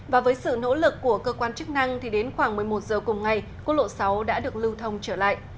và với sự nỗ lực của cơ quan chức năng thì đến khoảng một mươi một giờ cùng ngày quốc lộ sáu đã được lưu thông trở lại